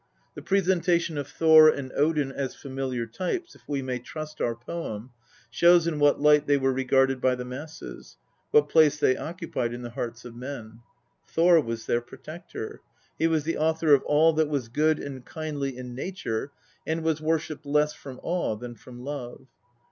The presentation of Thor and Odin as familiar types, if we may trust our poem, shows in what light they were regarded by the masses, what place they occupied in the hearts of men. Thor was their protector ; he was the author of all that was good and kindly in nature, and was worshipped less from awe than from love.